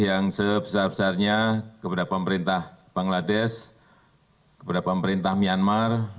yang sebesar besarnya kepada pemerintah bangladesh kepada pemerintah myanmar